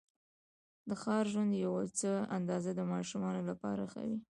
د ښار ژوند یوه څه اندازه د ماشومانو لپاره ښه وې.